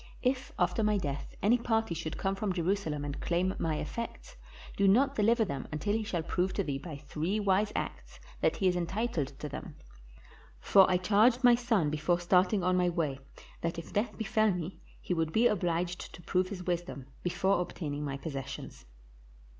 If after my death any party should come from Jerusalem and claim my effects, do not deliver them until he shall prove to thee by three wise acts that he is entitled to them ; for I charged my son before starting on my way, that if death, befell me he would be obliged to prove his wisdom before obtaining my possessions."